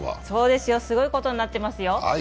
そうですよ、すごいことになっていますよ。